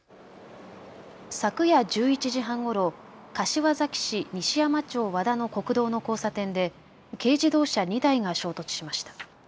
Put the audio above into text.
昨夜１１時半ごろ、柏崎市西山町和田の国道の交差点で軽自動車２台が衝突しました。